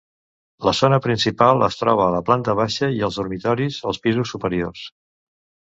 La zona principal es troba a la planta baixa i els dormitoris als pisos superiors.